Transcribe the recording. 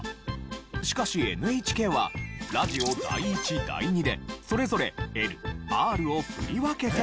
しかしＮＨＫはラジオ第１・第２でそれぞれＬ・Ｒを振り分けて放送。